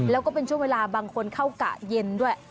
แล้วก็เป็นช่วงเวลาบางคนเข้ากะเย็นด้วย